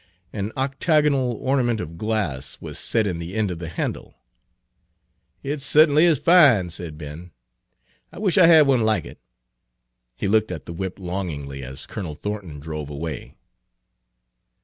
An octagonal ornament of glass was set in the end of the handle. "It cert'n'y is fine," said Ben; "I wish I had one like it." He looked at the whip longingly as Colonel Thornton drove away.